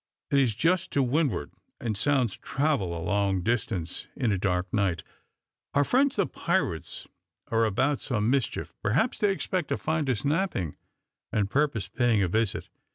It is just to windward, and sounds travel a long distance in a dark night. Our friends, the pirates, are about some mischief. Perhaps they expect to find us napping, and purpose paying a visit."